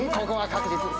ここは確実。